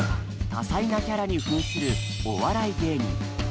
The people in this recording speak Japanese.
多彩なキャラにふんするお笑い芸人。